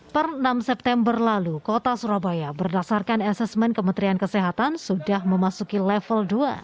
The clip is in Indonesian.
per enam september lalu kota surabaya berdasarkan asesmen kementerian kesehatan sudah memasuki level dua